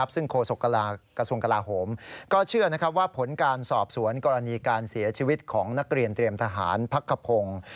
ซึ่งโฆษกระทรวงกลาโหมก็เชื่อว่าผลการสอบสวนกรณีการเสียชีวิตของนักเรียนเตรียมทหารพักขพงศ์